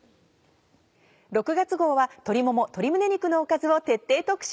６月号は鶏もも鶏胸肉のおかずを徹底特集。